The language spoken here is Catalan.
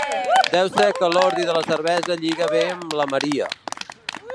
Deu ser que l'ordi de la cervesa lliga bé amb la maria.